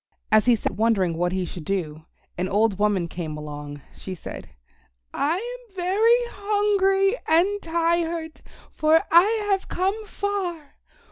As he sat wondering what he should do, an old woman came along. She said, "I am very hungry and tired, for I have come far.